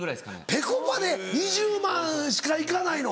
ぺこぱで２０万人しか行かないの。